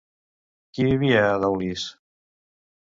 Qui vivia a Daulis?